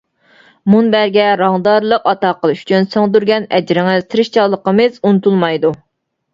مۇنبەرگە رەڭدارلىق ئاتا قىلىش ئۈچۈن سىڭدۈرگەن ئەجرىڭىز، تىرىشچانلىقىمىز ئۇنتۇلمايدۇ.